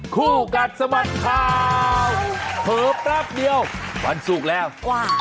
คู่กัดสมัดค่า